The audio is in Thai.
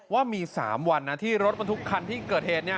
ว่ามี๓วันนะที่รถบรรทุกคันที่เกิดเหตุ